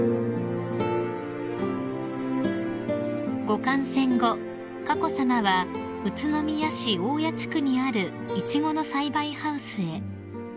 ［ご観戦後佳子さまは宇都宮市大谷地区にあるイチゴの栽培ハウスへ］